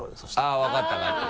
あぁ分かった分かった。